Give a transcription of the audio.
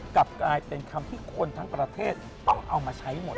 กลับกลายเป็นคำที่คนทั้งประเทศต้องเอามาใช้หมด